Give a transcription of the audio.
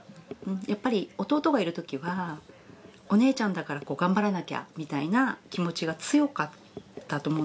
やっぱり弟がいるときは「お姉ちゃんだから頑張らなきゃ」みたいな気持ちが強かったと思うんですね。